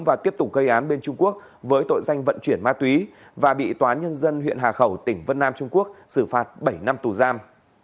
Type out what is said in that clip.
và tiếp tục gây án bên trung quốc với tội danh vận chuyển ma túy và bị tòa nhân dân huyện hà khẩu tỉnh vân nam trung quốc xử phạt bảy năm tù giam